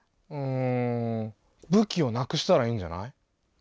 うん武器をなくしたらいいんじゃない？